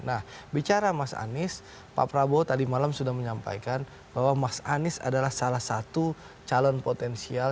nah bicara mas anies pak prabowo tadi malam sudah menyampaikan bahwa mas anies adalah salah satu calon potensial